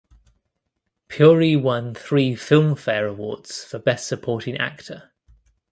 Puri won three Filmfare Awards for Best Supporting Actor.